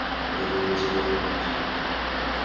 মজা করছি, মজা করছি।